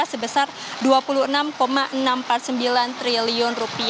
sebesar rp dua puluh enam enam ratus empat puluh sembilan triliun